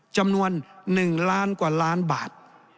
จำนวน๑ล้านกว่าล้านบาท